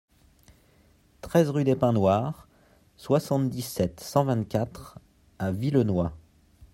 treize rue des Pins Noirs, soixante-dix-sept, cent vingt-quatre à Villenoy